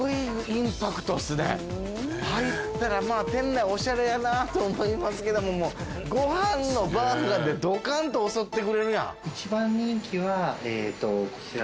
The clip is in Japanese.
入ったら店内おしゃれやなと思いますけどもご飯のバーガーでドカンと襲ってくれるやん。